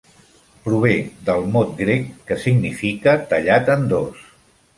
Prové del mot grec que significa "tallat en dos".